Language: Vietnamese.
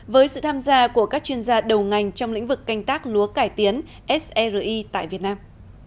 với sự tham gia của các chuyên gia đầu ngành trong lĩnh vực canh tác lúa cải tiến sri tại việt nam